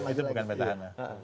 itu bukan petahana